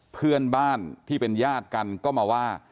เพื่อนบ้านที่เป็นญาติกันก็มาว่า